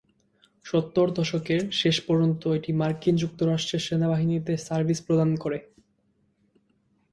সত্তরের দশকের শেষ পর্যন্ত এটি মার্কিন যুক্তরাষ্ট্রের সেনাবাহিনীতে সার্ভিস প্রদান করে।